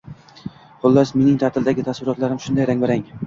Xullas, mening ta’tildagi taassurotlarim shunday rang-barang